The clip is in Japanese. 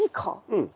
うん。